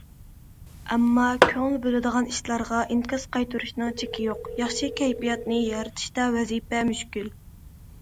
ئامما كۆڭۈل بۆلىدىغان ئىشلارغا ئىنكاس قايتۇرۇشنىڭ چېكى يوق، ياخشى كەيپىياتنى يارىتىشتا ۋەزىپە مۈشكۈل.